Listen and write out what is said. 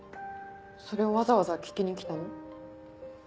それをわざわざ聞きに来たの？